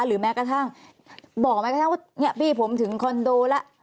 แม้กระทั่งบอกแม้กระทั่งว่าเนี่ยพี่ผมถึงคอนโดแล้ว